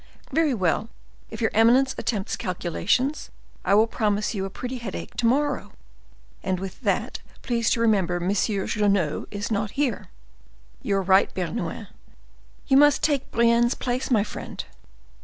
"Very well! if your eminence attempts calculations, I will promise you a pretty headache to morrow! And with that please to remember M. Guenaud is not here." "You are right, Bernouin. You must take Brienne's place, my friend.